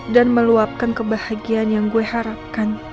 meluapkan kebahagiaan yang gue harapkan